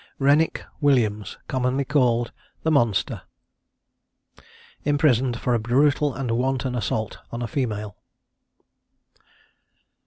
RENWICK WILLIAMS, COMMONLY CALLED "THE MONSTER." IMPRISONED FOR A BRUTAL AND WANTON ASSAULT ON A FEMALE.